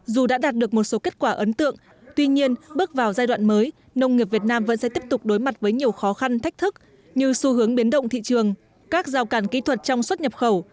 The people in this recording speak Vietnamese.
dù đã đạt được một số kết quả ấn tượng tuy nhiên bước vào giai đoạn mới nông nghiệp việt nam vẫn sẽ tiếp tục đối mặt với nhiều khó khăn thách thức như xu hướng biến động thị trường các rào cản kỹ thuật trong xuất nhập khẩu